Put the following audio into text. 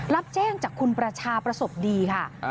รับแจ้งจากคุณประชาประสบดีค่ะ